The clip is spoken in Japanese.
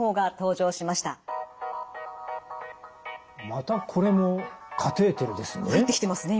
またこれもカテーテルですね？